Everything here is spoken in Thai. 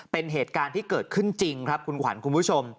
เป็นเหตุการณ์ที่เกิดขึ้นจริงครับคุณขวัญคุณผู้ชม